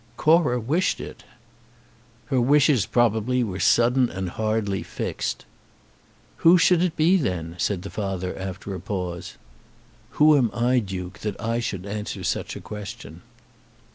"Cora wished it." "Her wishes, probably, were sudden and hardly fixed." "Who should it be, then?" asked the father, after a pause. "Who am I, Duke, that I should answer such a question?"